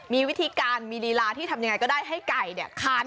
มีวิธีการมีลีลาที่ทำยังไงก็ได้ให้ไก่คัน